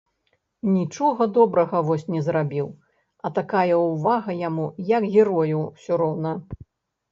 Нічога добрага вось не зрабіў, а такая ўвага яму, як герою ўсё роўна.